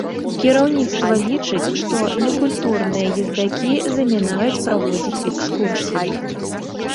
Кіраўніцтва лічыць, што некультурныя ездакі замінаюць праводзіць экскурсіі.